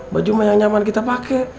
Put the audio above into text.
baju mah yang nyaman kita pakai